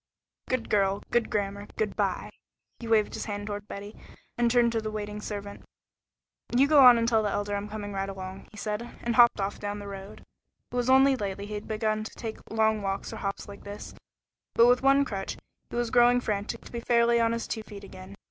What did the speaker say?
"Good girl. Good grammar. Good by." He waved his hand toward Betty, and turned to the waiting servant. "You go on and tell the Elder I'm coming right along," he said, and hopped off down the road. It was only lately he had begun to take long walks or hops like this, with but one crutch, but he was growing frantic to be fairly on his two feet again.